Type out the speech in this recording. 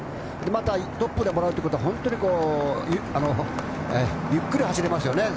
またトップでもらうということは本当にゆっくり走れますよね。